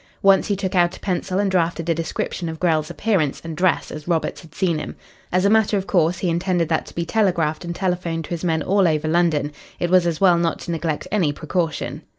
Once he took out a pencil and drafted a description of Grell's appearance and dress as Roberts had seen him. As a matter of course, he intended that to be telegraphed and telephoned to his men all over London. It was as well not to neglect any precaution.